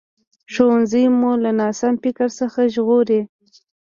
ښوونځی مو له ناسم فکر څخه ژغوري